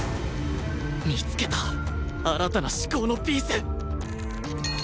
見つけた新たな思考のピース！